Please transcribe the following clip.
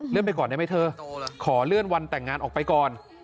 ไปก่อนได้ไหมเธอขอเลื่อนวันแต่งงานออกไปก่อน